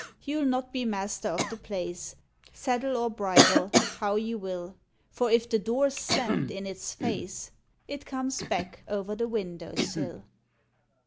You'll not be master of the place, Saddle or bridle how you will; For if the door's slammed in its face, It comes back o'er the window sill.